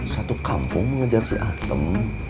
satu kampung mengejar si atem